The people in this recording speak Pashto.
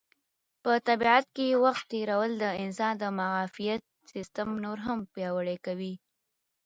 په طبیعت کې وخت تېرول د انسان د معافیت سیسټم نور هم پیاوړی کوي.